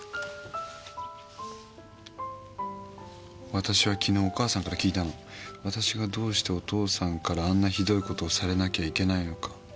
「私は昨日お母さんから聞いたの私がどうしてお父さんからあんなひどいことをされなきゃいけないのか」